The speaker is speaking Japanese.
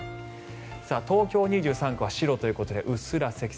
東京２３区は白ということでうっすら積雪。